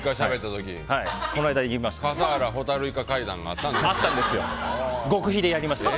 笠原・ホタルイカ会談があったんですよ。